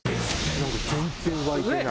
なんか全然沸いてない。